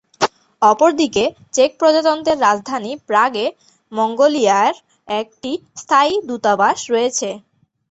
অপরদিকে চেক প্রজাতন্ত্রের রাজধানী প্রাগ এ মঙ্গোলিয়ার একটি স্থায়ী দূতাবাস রয়েছে।